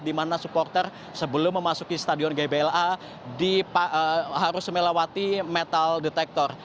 dimana supporter sebelum memasuki stadion gbla harus melawati metal detektor